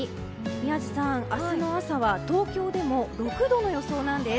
宮司さん、明日の朝は東京でも６度の予想なんです。